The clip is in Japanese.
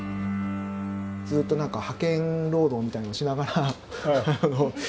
ずっと何か派遣労働みたいなのをしながら。